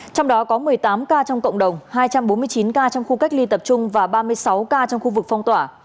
trong đó có một mươi tám ca trong cộng đồng hai trăm bốn mươi chín ca trong khu cách ly tập trung và ba mươi sáu ca trong khu vực phong tỏa